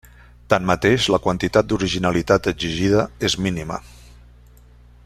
Tanmateix, la quantitat d'originalitat exigida és mínima.